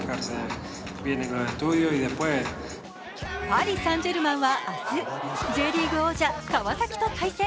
パリ・サン＝ジェルマンは明日、Ｊリーグ王者・川崎と対戦。